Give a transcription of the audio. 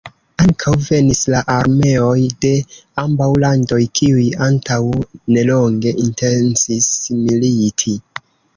Ankaŭ venis la armeoj de ambaŭ landoj, kiuj antaŭ nelonge intencis militi.